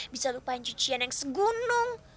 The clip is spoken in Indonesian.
bisa lupain cucian yang segunung